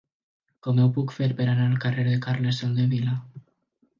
Com ho puc fer per anar al carrer de Carles Soldevila?